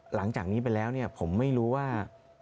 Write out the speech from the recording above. หลังจากนี้ไปแล้วผมไม่รู้ว่า